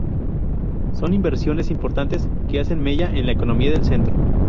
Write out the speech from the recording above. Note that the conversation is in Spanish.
Son inversiones importantes que hacen mella en la economía del centro.